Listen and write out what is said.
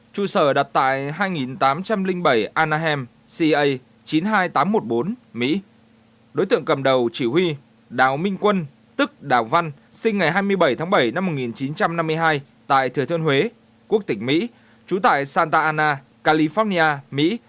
trụ sở đặt tại hai nghìn tám trăm linh bảy anaheim ca chín mươi hai nghìn tám trăm một mươi bốn mỹ